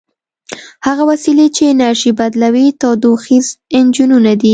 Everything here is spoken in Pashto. هغه وسیلې چې انرژي بدلوي تودوخیز انجنونه دي.